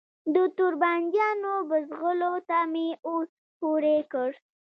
د توربانجانو بوزغلو ته می اور پوری کړ